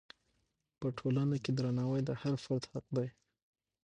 په ټولنه کې درناوی د هر فرد حق دی.